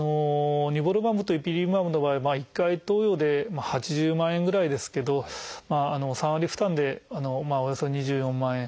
ニボルマブとイピリムマブの場合は１回投与で８０万円ぐらいですけど３割負担でおよそ２４万円。